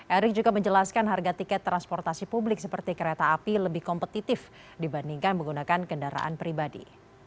erick juga menjelaskan harga tiket transportasi publik seperti kereta api lebih kompetitif dibandingkan menggunakan kendaraan pribadi